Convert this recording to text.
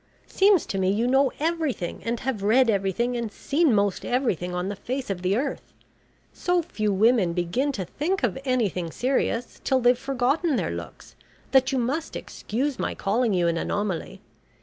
Seems to me you know everything, and have read everything, and seen most everything on the face of the earth. So few women begin to think of anything serious till they've forgotten their looks, that you must excuse my calling you an anomaly.